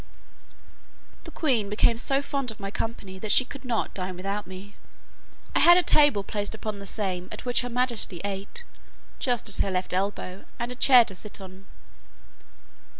The queen became so fond of my company, that she could not dine without me. I had a table placed upon the same at which her majesty ate, just at her left elbow, and a chair to sit on.